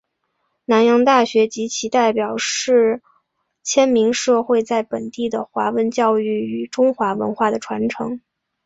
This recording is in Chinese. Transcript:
南洋大学及其所代表是迁民社会在本地的华文教育与中华文化的传承。